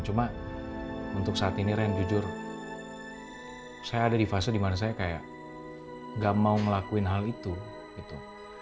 cuma untuk saat ini ren jujur saya ada di fase dimana saya kayak gak mau ngelakuin hal itu gitu